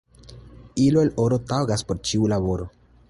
Ilo el oro taŭgas por ĉiu laboro.